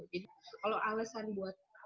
jadi kalau alasan buat yang ngaksa